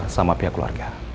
sama pihak keluarga